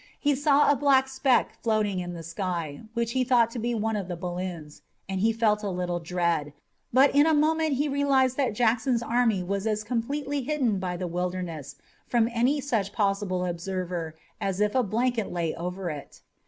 He saw a black speck floating in the sky, which he thought to be one of the balloons, and he felt a little dread, but in a moment he realized that Jackson's army was as completely hidden by the Wilderness from any such possible observer as if a blanket lay over it.